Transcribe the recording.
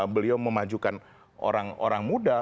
beliau memajukan orang orang muda